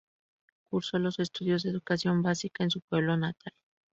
Cursó los estudios de educación básica en su pueblo natal.